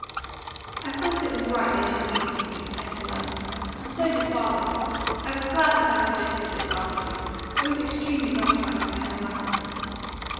"I thought it was right they should meet," explained the son, "and so did father. I was glad that I suggested it, afterward; it was extremely gratifying to Colonel Lapham."